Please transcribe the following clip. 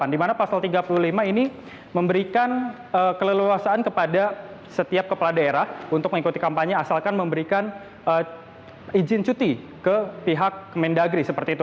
dimana pasal tiga puluh lima ini memberikan keleluasaan kepada setiap kepala daerah untuk mengikuti kampanye asalkan memberikan izin cuti ke pihak mendagri seperti itu